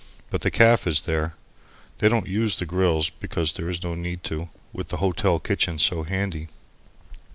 But the caff is there. They don't use the grills, because there's no need to, with the hotel kitchen so handy.